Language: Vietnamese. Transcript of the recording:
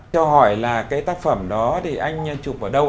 chào hỏi là cái tác phẩm đó thì anh chụp ở đâu ạ